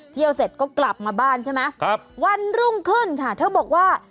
เสร็จก็กลับมาบ้านใช่ไหมครับวันรุ่งขึ้นค่ะเธอบอกว่า